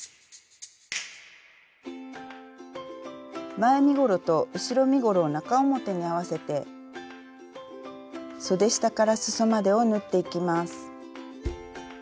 前身ごろと後ろ身ごろを中表に合わせてそで下からすそまでを縫っていきます。